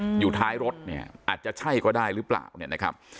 อยู่ท้ายรถเนี่ยอาจจะใช่ก็ได้หรือเปล่าเนี่ยนะครับ